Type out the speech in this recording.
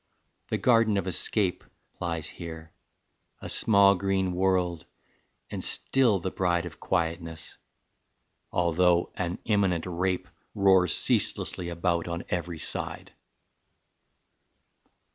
The garden of escape Lies here; a small green world, and still the bride Of quietness, although an imminent rape Roars ceaselessly about on every side."